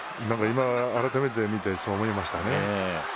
今、あらためて見てそう思いました。